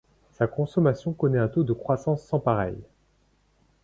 Sa consommation connaît un taux de croissance sans pareil.